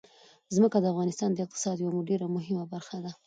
ځمکه د افغانستان د اقتصاد یوه ډېره مهمه برخه ده.